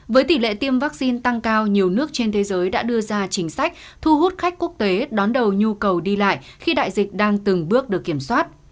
với tỷ lệ tiêm vaccine tăng cao nhiều nước trên thế giới đã đưa ra chính sách thu hút khách quốc tế đón đầu nhu cầu đi lại khi đại dịch đang từng bước được kiểm soát